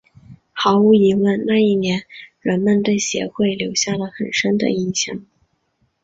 毫无疑问那一年人们对协会留下了很深的印象。